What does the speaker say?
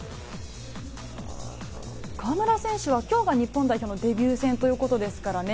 河村選手は今日が日本代表デビュー戦ということですからね。